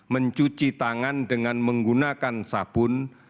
mencuci tangan dengan menggunakan sabun